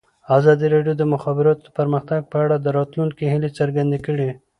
ازادي راډیو د د مخابراتو پرمختګ په اړه د راتلونکي هیلې څرګندې کړې.